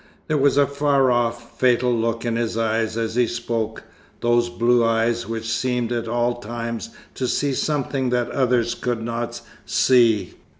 There was a far off, fatal look in his eyes as he spoke, those blue eyes which seemed at all times to see something that others could not see.